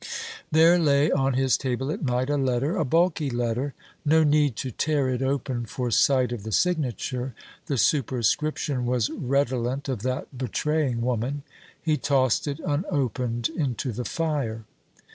There lay on his table at night a letter; a bulky letter. No need to tear it open for sight of the signature: the superscription was redolent of that betraying woman. He tossed it unopened into the fire.